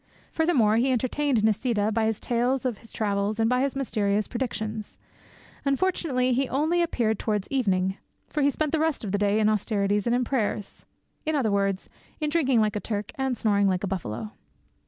Furthermore, he entertained Nisida by his tales of his travels and by his mysterious predictions. Unfortunately, he only appeared towards evening; for he spent the rest of the day in austerities and in prayers—in other words, in drinking like a Turk and snoring like a buffalo.